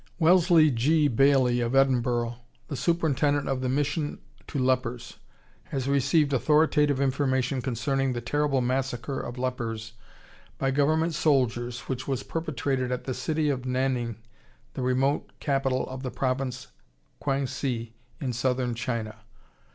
] "Wellesley G. Bailey of Edinburgh, the superintendent of the Mission to Lepers, has received authoritative information concerning the terrible massacre of lepers by government soldiers which was perpetrated at the city of Nanning, the remote capital of the province Kwang si in southern China.